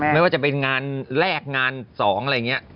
ไม่ว่าจะเป็นงานแรกงาน๒อะไรอย่างนี้